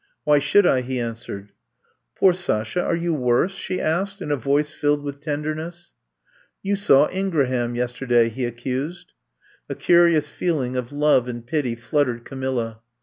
"Why should I?" he answered. "Poor Sasha, are you worse?" she asked in a voice filled with tenderness. "You saw Ingraham yesterday," he ac cused. A curious feeling of love and pity flooded Camilla.